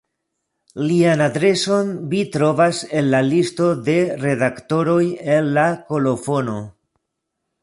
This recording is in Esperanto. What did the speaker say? Lian adreson vi trovas en la listo de redaktoroj en la kolofono.